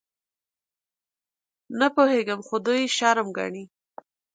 _نه پوهېږم، خو دوی يې شرم ګڼي.